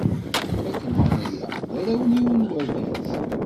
Akken ma nella, d arraw n yiwen n wergaz.